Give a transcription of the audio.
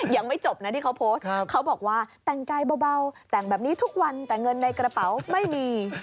ยังไม่จบนะที่เขาโพสต์เขาบอกว่าแต่งกายเบาแต่งแบบนี้ทุกวันแต่เงินในกระเป๋าไม่มี